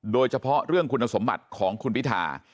โดยเฉพาะเรื่องคุณสมบัติของคุณพิธา